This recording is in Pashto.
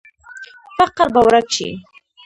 فقر به ورک شي؟